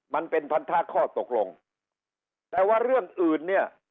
มันเป็นพันธะข้อตกลงแต่ว่าเรื่องอื่นเนี่ย